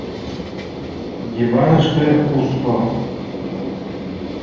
Диваныште — Узков.